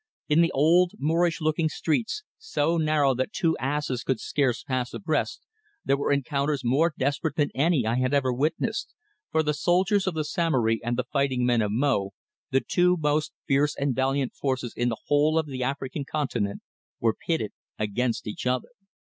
In the old Moorish looking streets, so narrow that two asses could scarce pass abreast, there were encounters more desperate than any I had ever witnessed, for the soldiers of Samory and the fighting men of Mo, the two most fierce and valiant forces in the whole of the African continent, were pitted against each other.